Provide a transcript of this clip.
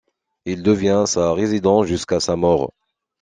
Il devient sa résidence jusqu'à sa mort.